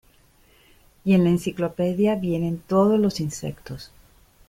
y en la enciclopedia vienen todos los insectos.